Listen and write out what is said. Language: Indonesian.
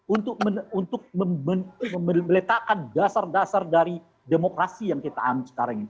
untuk meletakkan dasar dasar dari demokrasi yang kita ambil sekarang ini